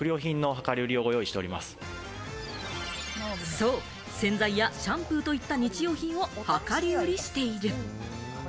そう、洗剤やシャンプーといった日用品を量り売りしている。